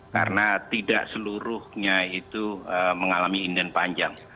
karena tidak seluruhnya itu mengalami inden panjang